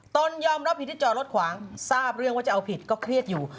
ตนยอมรับผิดที่จอดรถขวางทราบเรื่องว่าจะเอาผิดก็เครียดอยู่